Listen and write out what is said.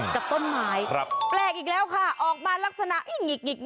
กับต้นไม้แปลกอีกแล้วค่ะออกมาลักษณะหงิกหิก